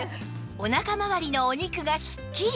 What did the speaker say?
おなかまわりのお肉がすっきり！